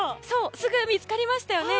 すぐ見つかりましたよね。